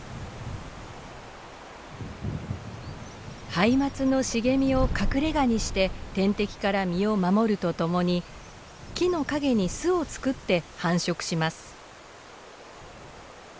ハイマツの茂みを隠れがにして天敵から身を守るとともに木の陰に巣を作って繁殖します。